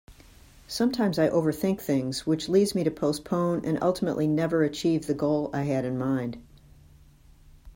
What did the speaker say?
Sometimes I overthink things which leads me to postpone and ultimately never achieve the goal I had in mind.